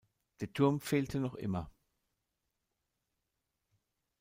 Der Turm fehlte noch immer.